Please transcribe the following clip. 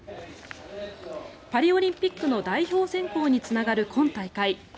パリオリンピックの代表選考につながる今大会。